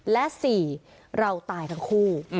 และ๔เราตายทั้งคู่